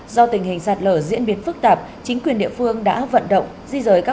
do tình hình sạt lở diễn biến phức tạp chính quyền địa phương đã vận động